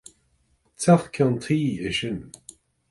Teach ceann tuí é sin.